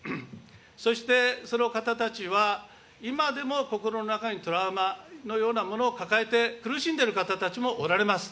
そして、その方たちは、今でも心の中にトラウマのようなものを抱えて、苦しんでいる方たちもおられます。